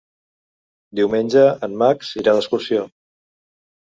Diumenge en Max irà d'excursió.